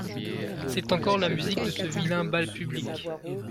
C’est encore la musique de ce vilain bal public…